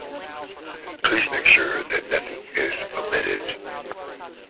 Please make sure that nothing is omitted.